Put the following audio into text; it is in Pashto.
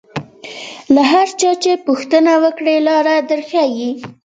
له هر چا چې پوښتنه وکړې لاره در ښیي.